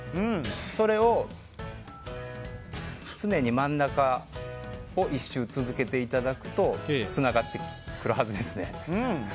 それを、常に真ん中を１周続けていただくとつながってくるはずですね。